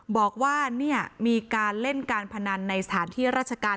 บอกว่ามีการเล่นการพนันในสถานที่ราชการ